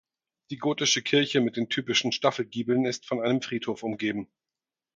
Die gotische Kirche mit den typischen Staffelgiebeln ist von einem Friedhof umgeben.